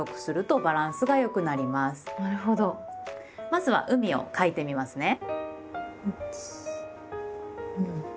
まずは「海」を書いてみますね。